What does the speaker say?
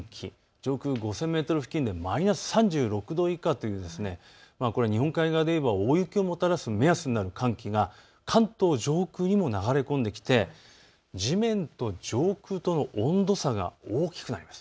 上空５０００メートル付近、マイナス３６度以下という、これは日本海側でいえば大雪をもたらす目安になる寒気が関東上空にも流れ込んできて地面と上空との温度差が大きくなります。